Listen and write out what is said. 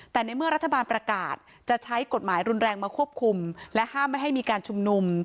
แต่ในเมื่อรัฐบาลประกาศจะใช้กฎหมายรุนแรงมาควบคุมและห้ามไม่ให้มีการชุมนุม